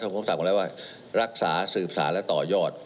ท่านคงสั่งมาแล้วว่ารักษาสืบศาลและต่อยอด